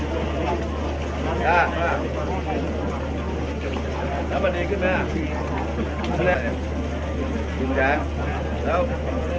เมืองอัศวินธรรมดาคือสถานที่สุดท้ายของเมืองอัศวินธรรมดา